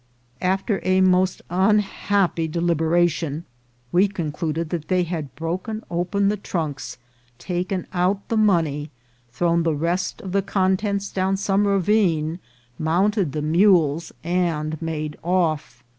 After a most unhappy deliberation, we concluded that A DILEMMA. 223 they had broken open the trunks, taken out the money, thrown the rest of the contents down some ravine, mounted the mules, and made off.